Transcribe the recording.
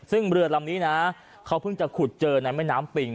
ซึ่งเรือลำนี้นะเขาเพิ่งจะขุดเจอในแม่น้ำปิง